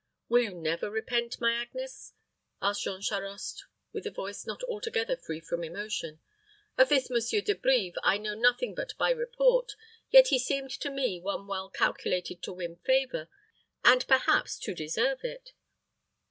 "Will you never repent, my Agnes?" asked Jean Charost, with a voice not altogether free from emotion. "Of this Monsieur De Brives I know nothing but by report, yet he seemed to me one well calculated to win favor and perhaps to deserve it."